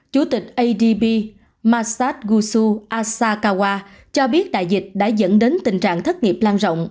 chủ tịch adb masat gusu asakawa cho biết đại dịch đã dẫn đến tình trạng thất nghiệp lan rộng